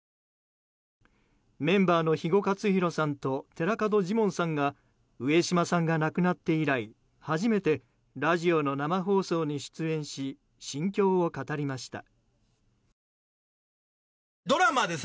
メンバーの肥後克広さんと寺門ジモンさんが上島さんが亡くなって以来初めてラジオの生放送に出演し心境を語りました。